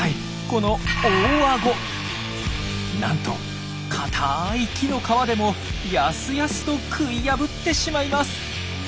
このなんと硬い木の皮でもやすやすと食い破ってしまいます！